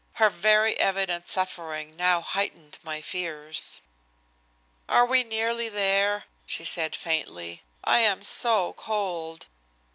Her very evident suffering now heightened my fears. "Are we nearly there?" she said faintly. "I am so cold."